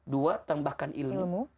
dua tambahkan ilmu